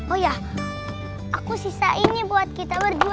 oh ya aku sisa ini buat kita berdua